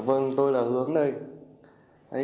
vâng tôi là hướng đây